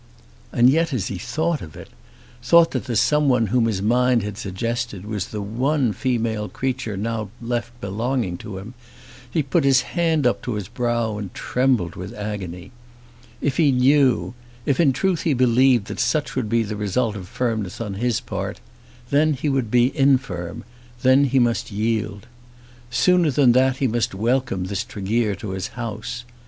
And yet as he thought of it, thought that the someone whom his mind had suggested was the one female creature now left belonging to him, he put his hand up to his brow and trembled with agony. If he knew, if in truth he believed that such would be the result of firmness on his part, then he would be infirm, then he must yield. Sooner than that, he must welcome this Tregear to his house.